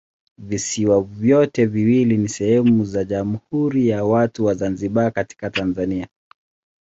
Visiwa vyote viwili ni sehemu za Jamhuri ya Watu wa Zanzibar katika Tanzania.